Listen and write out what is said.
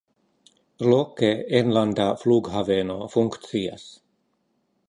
Loke enlanda flughaveno funkcias.